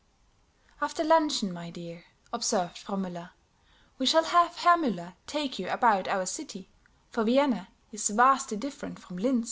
"After luncheon, my dear," observed Frau Müller, "we shall have Herr Müller take you about our city; for Vienna is vastly different from Linz."